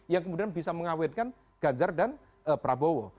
yang kemudian bisa mengawinkan gajar dan prabowo